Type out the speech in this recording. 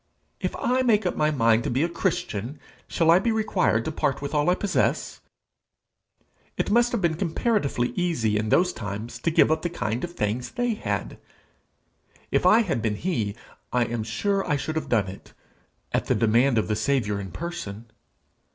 If I make up my mind to be a Christian, shall I be required to part with all I possess? It must have been comparatively easy in those times to give up the kind of things they had! If I had been he, I am sure I should have done it at the demand of the Saviour in person.